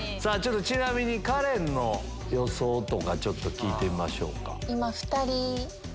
ちなみにカレンの予想ちょっと聞いてみましょうか。